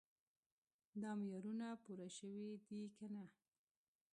دا معیارونه پوره شوي دي که نه.